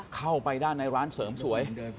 เข้าไปด้านในร้านเสริมสวย